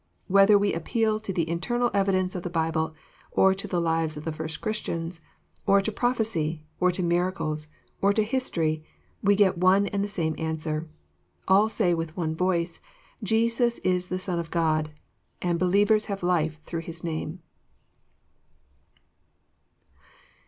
Whether we appeal to the internal evidence of the Bible, or to the lives of the first Christians, or to prophe cy, or to miracles, or to historj^ we get one and the same answer. All say with one voice, " Jesus is the Son of God, and believers have life through His name.